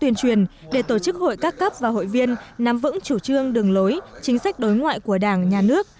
tuyên truyền để tổ chức hội các cấp và hội viên nắm vững chủ trương đường lối chính sách đối ngoại của đảng nhà nước